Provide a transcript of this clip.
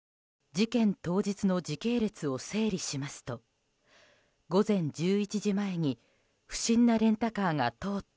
事件当日の時系列を整理しますと午前１１時前に不審なレンタカーが通った